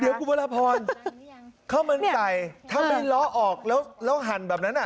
เดี๋ยวคุณพระราพรข้าวมันไก่ถ้าไม่ล้อออกแล้วหั่นแบบนั้นอ่ะ